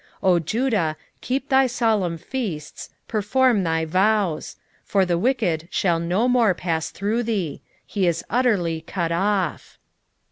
O Judah, keep thy solemn feasts, perform thy vows: for the wicked shall no more pass through thee; he is utterly cut off.